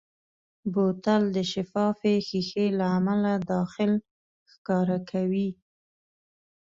بوتل د شفافې ښیښې له امله داخل ښکاره کوي.